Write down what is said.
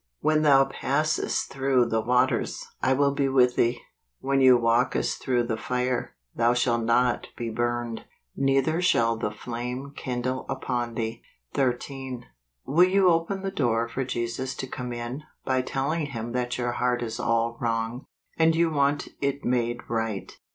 " When thou passest through the waters , Iwill be with thee: when thou walkest through the fire, thou shalt not be burned; neither shall the flame kindle upon thee ." 13. Will you open the door for Jesus to come in, by telling Him that your heart is all wrong, and you want it made right